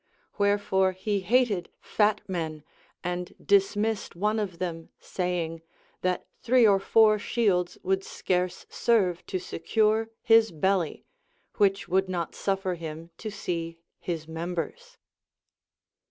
Where fore he hated fat men, and dismissed one of them, say ing, that three or four shields would scarce serve to secure his belly, Avhich would not suffer him to see his members.